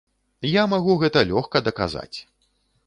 Я магу гэта лёгка даказаць.